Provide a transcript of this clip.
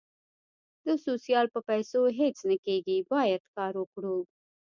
د سوسیال په پېسو هیڅ نه کېږي باید کار وکړو